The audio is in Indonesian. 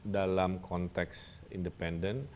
dalam konteks independen